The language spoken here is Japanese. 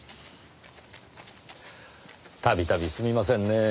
度々すみませんねぇ。